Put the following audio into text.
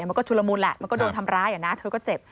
มันก็ชุลมุนแหละมันก็โดนทำร้ายอ่ะนะเธอก็เจ็บ